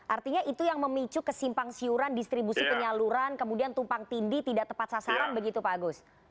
artinya itu yang memicu kesimpang siuran distribusi penyaluran kemudian tumpang tindi tidak tepat sasaran begitu pak agus